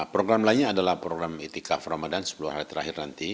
program lainnya adalah program itikaf ramadan sepuluh hari terakhir nanti